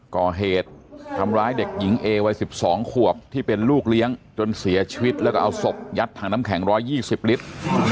ก่อเหตุทำร้ายเด็กหญิงเอวัย๑๒ขวบที่เป็นลูกเลี้ยงจนเสียชีวิตแล้วก็เอาศพยัดถังน้ำแข็ง๑๒๐ลิตร